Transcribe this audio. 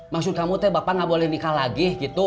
maksud kamu teh bapak gak boleh nikah lagi gitu